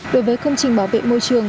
đối với công trình bảo vệ môi trường